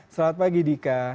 selamat pagi dika